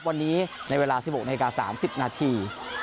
วันนี้ในเวลา๑๖นาที๓๐นาที